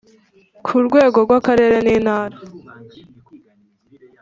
Ku rwego rw Akarere n Intara